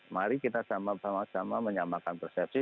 mari kita sama sama menyamakan persepsi